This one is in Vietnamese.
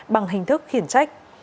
bằng hình thức khiển trách